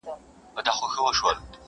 دا هوښیار چي دی له نورو حیوانانو،